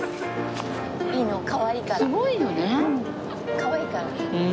かわいいから。